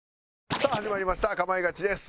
さあ始まりました『かまいガチ』です。